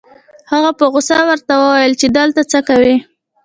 هغه په غصه ورته وويل چې دلته څه کوې؟